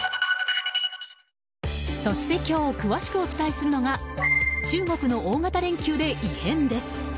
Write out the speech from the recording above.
そして、今日詳しくお伝えするのが中国の大型連休で異変です。